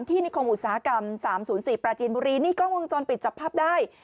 นิคมอุตสาหกรรม๓๐๔ปราจีนบุรีนี่กล้องวงจรปิดจับภาพได้